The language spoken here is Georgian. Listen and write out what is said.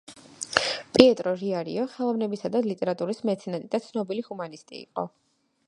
პიეტრო რიარიო ხელოვნებისა და ლიტერატურის მეცენატი და ცნობილი ჰუმანისტი იყო.